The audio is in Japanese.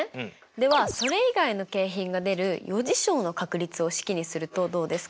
ではそれ以外の景品が出る余事象の確率を式にするとどうですか？